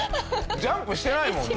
ジャンプしてないもんね。